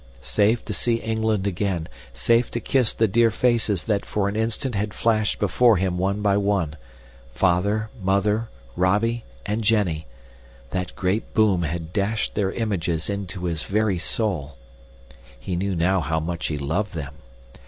Safe to see England again, safe to kiss the dear faces that for an instant had flashed before him one by one Father, Mother, Robby, and Jenny that great boom had dashed their images into his very soul. He knew now how much he loved them.